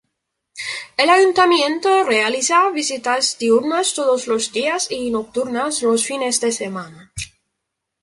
El ayuntamiento realiza visitas diurnas todos los días y nocturnas los fines de semana.